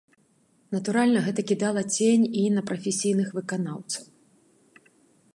Натуральна, гэта кідала цень і на прафесійных выканаўцаў.